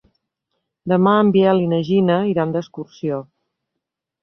Demà en Biel i na Gina iran d'excursió.